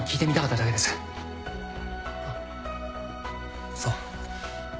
あっそう。